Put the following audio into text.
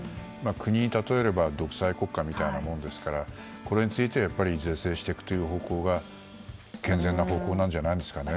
国に例えれば独裁国家みたいなもんですからこれについて是正していくという方向が健全な方向なんじゃないですかね。